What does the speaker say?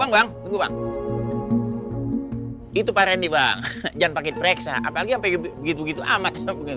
bang tunggu bang itu pak rendy bang jangan pakai pereksa apalagi sampai begitu begitu amat